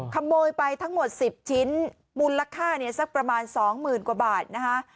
ขโมยไปทั้งหมด๑๐ชิ้นมูลค่าเนี่ยสักประมาณ๒๐๐๐กว่าบาทนะคะ